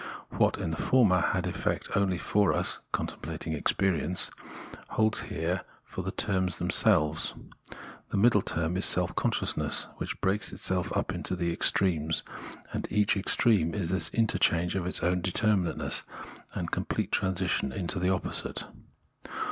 What in the former had effect only for us [contemplating experience], holds here for the terms themselves. The middle term is self consciousness which breaks itself up into the extremes ; and each extreme is this interchange of its own determinateness, and complete transition into the opposite.